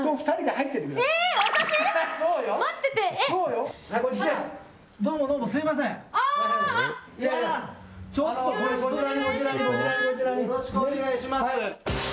よろしくお願いします。